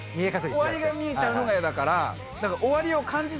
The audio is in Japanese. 終わりが見えちゃうのが嫌だから。